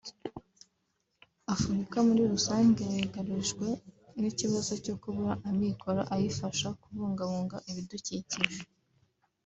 Afurika muri rusange yugarijwe n’ikibazo cyo kubura amikoro ayifasha kubungabunga ibidukikije